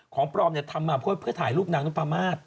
ของปลอมทำมาเพื่อถ่ายรูปนางน้ำปามาศ